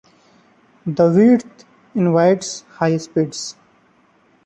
The width invites high speeds.